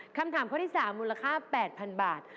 คำถามข้อที่๓มูลค่า๘๐๐๐บาท